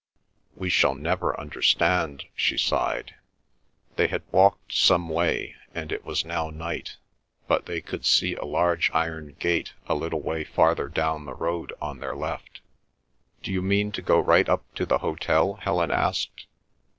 "We shall never understand!" she sighed. They had walked some way and it was now night, but they could see a large iron gate a little way farther down the road on their left. "Do you mean to go right up to the hotel?" Helen asked.